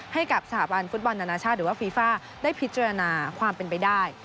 ให้กับสถาบันฟุตบอลนานาชาติหรือว่าฟีฟ่าได้พิจารณาความเป็นไปได้